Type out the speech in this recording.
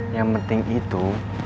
yang penting itu